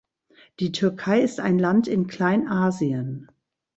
Die Türkei ist ein Land in Kleinasien.